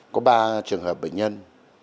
có ba trường hợp bệnh nhân